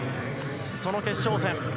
その決勝戦。